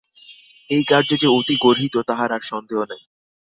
এই কার্য যে অতি গর্হিত তাহার আর সন্দেহ নাই।